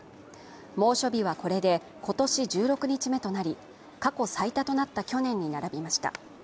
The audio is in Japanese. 猛暑日はこれで今年１６日目となり過去最多となった去年に並びました。